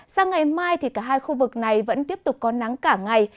sáng ngày mai cả hai khu vực này vẫn tiếp tục có nắng cả ngày